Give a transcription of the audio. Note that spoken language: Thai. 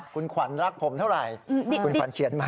คุณขวัญรักผมเท่าไหร่คุณขวัญเขียนมา